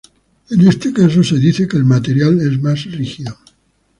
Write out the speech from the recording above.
En este caso, se dice que el material es más rígido.